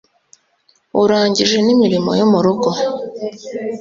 Urangije n imirimo yo mu rugo